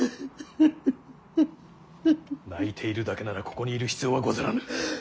泣いているだけならここにいる必要はござらぬ。